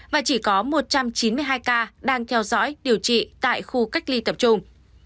và chỉ có một trăm chín mươi hai ca đang theo dõi điều trị tại khu cách ly tập trung